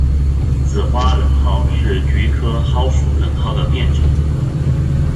紫花冷蒿是菊科蒿属冷蒿的变种。